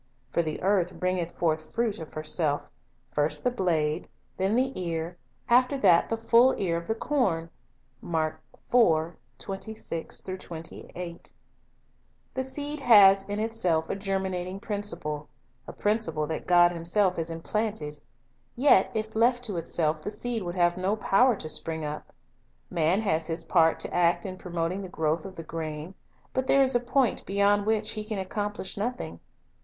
For the earth bringeth forth fruit of herself; first the blade, then the ear, after that the full corn in the ear." l The seed has in itself a germinating principle, a prin ciple that God Himself has implanted; yet if left to itself the seed would have no power to spring up. Man has his part to act in promoting the growth of the grain; but there is a point beyond which he can accomplish nothing.